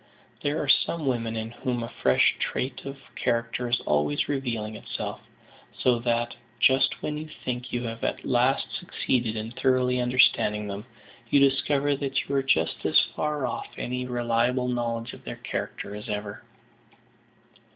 There are some women in whom a fresh trait of character is always revealing itself, so that, just when you think you have at last succeeded in thoroughly understanding them, you discover that you are just as far off any reliable knowledge of their character as ever.